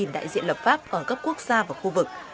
hai mươi đại diện lập pháp ở gấp quốc gia và khu vực